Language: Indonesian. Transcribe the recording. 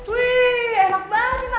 wih enak banget nih ma